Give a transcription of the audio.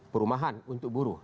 perumahan untuk buruh